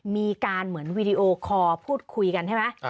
มีการเหมือนวีดีโอคอร์พูดคุยกันใช่ไหม